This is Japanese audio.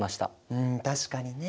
うん確かにね。